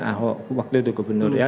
ahok waktu itu gubernur ya